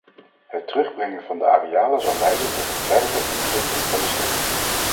Het terugbrengen van de arealen zal leiden tot een verdere inkrimping van de steun.